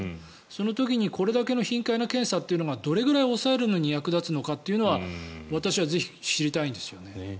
その時にこれだけの頻回な検査というのがどれくらい抑えるのに役立つのかというのは私はぜひ知りたいんですよね。